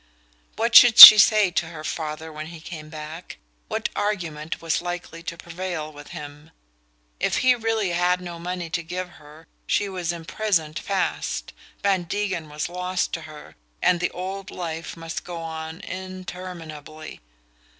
What should she say to her father when he came back what argument was most likely to prevail with him? If he really had no money to give her she was imprisoned fast Van Degen was lost to her, and the old life must go on interminably...